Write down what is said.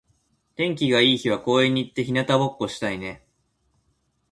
天気が良い日は公園に行って日向ぼっこしたいね。